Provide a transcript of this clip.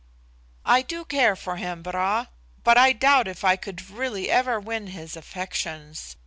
"I do care for him, Bra; but I doubt if I could really ever win his affections.